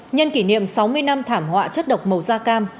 nhân kỷ niệm sáu mươi năm thảm họa chất độc màu da cam